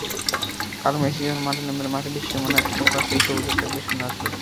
কাল মেসি যখন মাঠে নামবেন, মাঠের সীমানার ঠিক পাশেই শোভিত থাকবে সোনার ট্রফি।